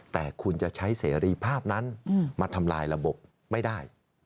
แต่คุณจะใช้เสรีภาพนั้นมาทำลายระบบไม่ได้